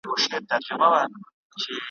که دغه مېنه د احمدشاه وای `